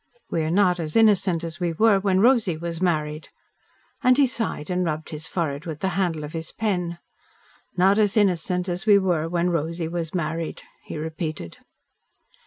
We are not as innocent as we were when Rosy was married." And he sighed and rubbed his forehead with the handle of his pen. "Not as innocent as we were when Rosy was married," he repeated.